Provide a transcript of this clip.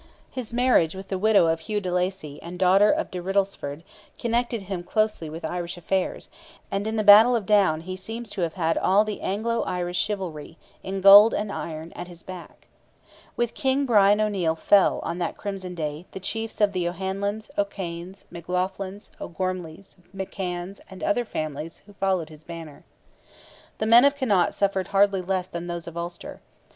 His marriage with the widow of Hugh de Lacy and daughter of de Riddlesford connected him closely with Irish affairs, and in the battle of Down he seems to have had all the Anglo Irish chivalry, "in gold and iron," at his back. With King Brian O'Neil fell, on that crimson day, the chiefs of the O'Hanlons, O'Kanes, McLaughlins, O'Gormlys, McCanns, and other families who followed his banner. The men of Connaught suffered hardly less than those of Ulster.